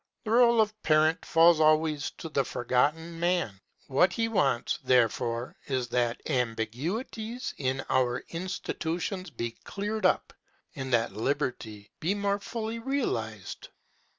The r├┤le of parent falls always to the Forgotten Man. What he wants, therefore, is that ambiguities in our institutions be cleared up, and that liberty be more fully realized.